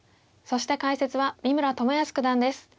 そして解説は三村智保九段です。